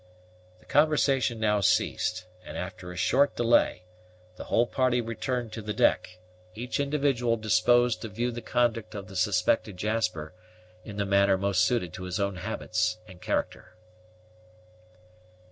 The conversation now ceased, and, after a short delay, the whole party returned to the deck, each individual disposed to view the conduct of the suspected Jasper in the manner most suited to his own habits and character.